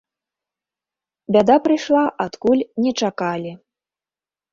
Бяда прыйшла адкуль не чакалі.